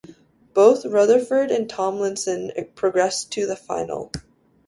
Both Rutherford and Tomlinson progressed to the final.